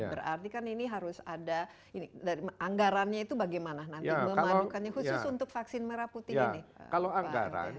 berarti kan ini harus ada anggarannya itu bagaimana nanti memadukannya khusus untuk vaksin merah putih ini